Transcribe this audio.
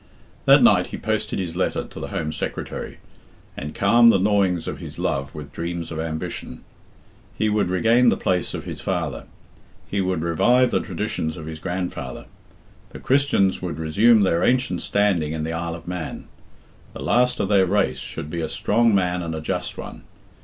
That night he posted his letter to the Home Secretary, and calmed the gnawings of his love with dreams of ambition. He would regain the place of his father; he would revive the traditions of his grandfather; the Christians should resume their ancient standing in the Isle of Man; the last of their race should be a strong man and a just one.